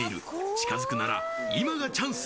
近づくなら今がチャンス。